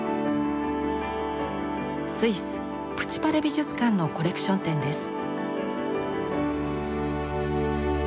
スイスプチ・パレ美術館のコレクション展です。